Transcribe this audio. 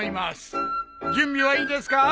準備はいいですか？